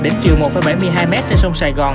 đỉnh chiều một bảy mươi hai m trên sông sài gòn